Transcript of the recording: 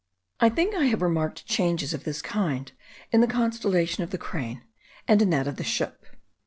I think I have remarked changes of this kind in the constellation of the Crane and in that of the Ship.